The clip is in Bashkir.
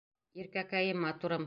Иркәкәйем, матурым!